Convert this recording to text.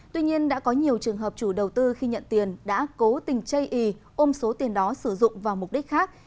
tuy nhiên đã có nhiều trường hợp chủ đầu tư khi nhận tiền đã cố tình chây ý ôm số tiền đó sử dụng vào mục đích khác